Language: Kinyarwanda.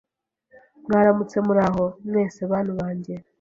Mwaramutse, muraho, mwese bantu banjye